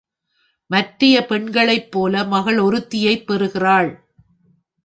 மற்றைய பெண்களைப் போல மகள் ஒருத்தியைப் பெறுகிறாள்.